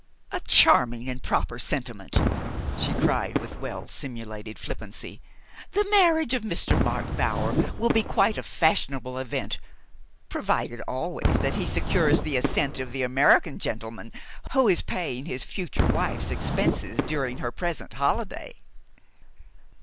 "A charming and proper sentiment," she cried with well simulated flippancy. "The marriage of Mr. Mark Bower will be quite a fashionable event, provided always that he secures the assent of the American gentleman who is paying his future wife's expenses during her present holiday."